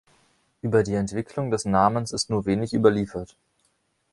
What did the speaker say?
Über die Entwicklung des Namens ist nur wenig überliefert.